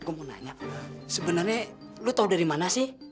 gue mau tanya sebenarnya lo tahu dari mana sih